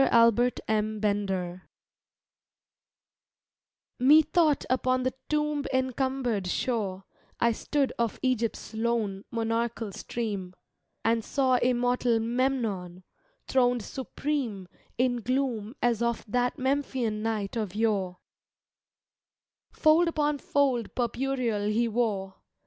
ALBERT M. BENDER Mcthought upon the toml>cncumbered shore I stood of Egjrpf s lone, monarchal stream And saw immortal Memnon, throned supreme In gloom as of that Memphian night of yore: Fold upon fold purpureal he wore.